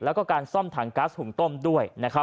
แล้วก็การซ่อมถังก๊าซหุงต้มด้วย